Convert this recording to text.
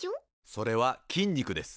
それは筋肉です。